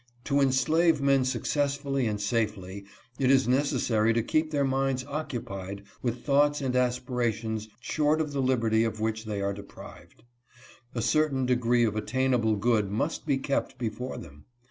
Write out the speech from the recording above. To enslave men successfully and safely it is necessary to keep their minds occupied with thoughts and aspira tions short of the liberty of which they are deprived. A \ certain degree of attainable good must be kept before them.